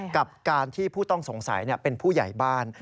กับการที่ผู้ต้องสงสัยเป็นผู้ใหญ่บ้าน